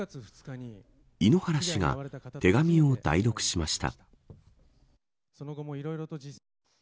井ノ原氏が手紙を代読しました。